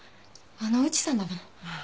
あの内さんだもの。